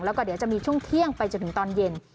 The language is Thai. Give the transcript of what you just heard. แล้วก็เดี๋ยวจะมีช่วงเที่ยงไปจนถึงตอนเย็น